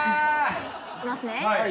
いきますね。